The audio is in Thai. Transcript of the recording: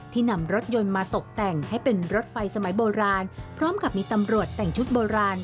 นำรถยนต์มาตกแต่งให้เป็นรถไฟสมัยโบราณพร้อมกับมีตำรวจแต่งชุดโบราณ